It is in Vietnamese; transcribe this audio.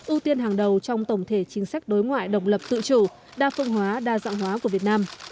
ưu tiên hàng đầu trong tổng thể chính sách đối ngoại độc lập tự chủ đa phương hóa đa dạng hóa của việt nam